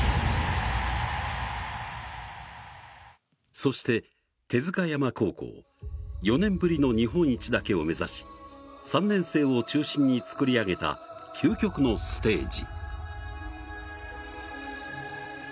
そして帝塚山高校４年ぶりの日本一だけを目指し３年生を中心に作り上げた究極のステージ。